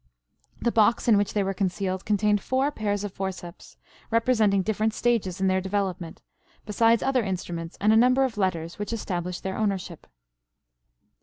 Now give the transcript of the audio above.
The box in which they were concealed contained four pairs of forceps, representing different stages in their development, besides other instruments and a number of letters which established their ownership.